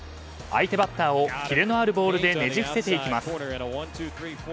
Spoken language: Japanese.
相手バッターをキレのあるボールでねじ伏せていきます。